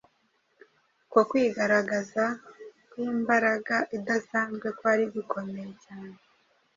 Uko kwigaragaza kw’imbaraga idasanzwe kwari gukomeye cyane